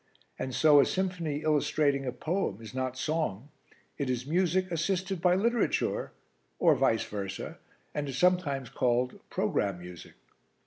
And so a symphony illustrating a poem is not song it is music assisted by literature, or vice versa, and is sometimes called Programme Music.